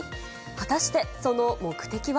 果たして、その目的は。